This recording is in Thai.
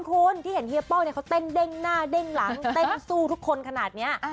คุณที่เห็นเฮียป้องเนี่ยเขาเต้นเด้งหน้าเด้งหลังเต้นสู้ทุกคนขนาดนี้